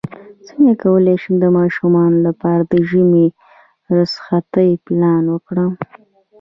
څنګه کولی شم د ماشومانو لپاره د ژمی رخصتۍ پلان کړم